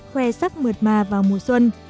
khoe sắc mượt mà vào mùa xuân